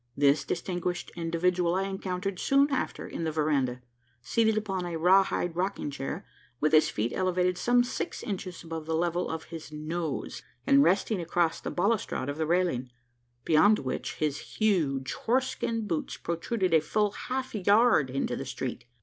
This distinguished individual I encountered soon after in the verandah seated upon a raw hide rocking chair, with his feet elevated some six inches above the level of his nose, and resting across the balustrade of the railing beyond which his huge horse skin boots protruded a full half yard into the street.